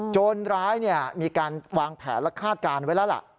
จนร้ายมีการวางแผนและคาดการณ์ไว้แล้วล่ะ